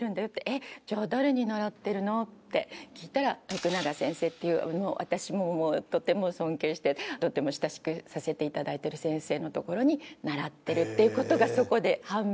「えっじゃあ誰に習ってるの？」って聞いたら徳永先生っていう私ももうとても尊敬してとても親しくさせて頂いてる先生のところに習ってるっていう事がそこで判明して。